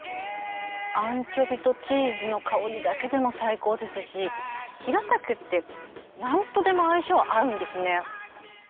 アンチョビとチーズの香りだけでも最高ですしヒラタケってなんとでも相性合うんですね。